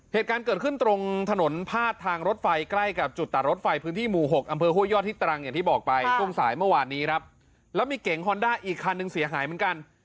เหตุการณ์เกิดขึ้นตรงถนนพาดทางรถไฟใกล้กับจุดตัดรถไฟพื้นที่หมู่หกอำเภอห้วยยอดที่ตรังอย่างที่บอกไปช่วงสายเมื่อวานนี้ครับแล้วมีเก๋งฮอนด้าอีกคันหนึ่งเสียหายเหมือนกัน